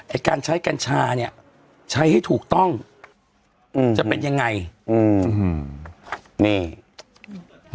ไอ้การใช้กัญชาเนี้ยใช้ให้ถูกต้องอืมจะเป็นยังไงอืมนี่อืม